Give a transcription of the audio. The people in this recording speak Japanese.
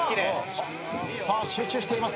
さあ集中しています。